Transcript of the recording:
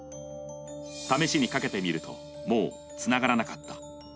試しにかけてみると、もうつながらなかった。